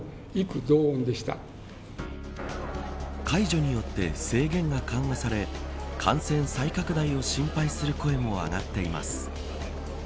解除によって制限が緩和され感染再拡大を心配する声も上がっています。